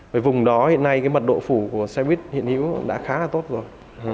bởi vùng đó hiện nay cái mật độ phủ của xe buýt hiện hữu đã khá là tốt rồi